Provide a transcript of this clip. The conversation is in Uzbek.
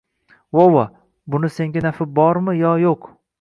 Vova, buni senga nafi bormi yoki yoʻq?